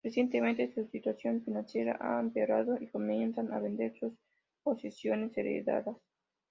Recientemente, su situación financiera ha empeorado y comienzan a vender sus posesiones heredadas.